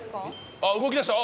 あっ動きだした！